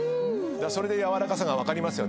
それでやわらかさが分かりますよね